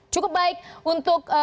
cukup baik untuk